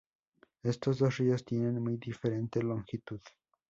Estos dos ríos tienen muy diferente longitud.